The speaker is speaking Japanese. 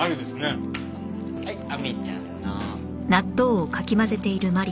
はい亜美ちゃんの。